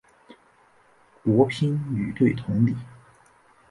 国乒女队同理。